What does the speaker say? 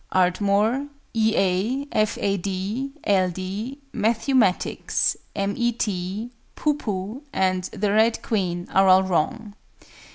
ARDMORE, E. A., F. A. D., L. D., MATTHEW MATTICKS, M. E. T., POO POO, and THE RED QUEEN are all wrong.